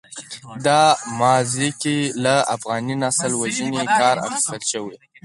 دا ماضي کې له افغاني نسل وژنې کار اخیستل شوی.